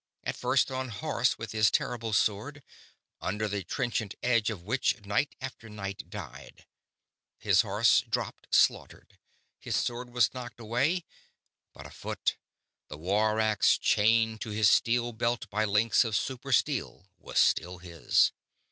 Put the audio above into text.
At first on horse, with his terrible sword, under the trenchant edge of which knight after knight died. His horse dropped, slaughtered; his sword was knocked away; but, afoot, the war axe chained to his steel belt by links of super steel was still his.